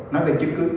nó bị trực cư